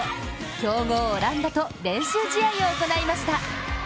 強豪オランダと練習試合を行いました。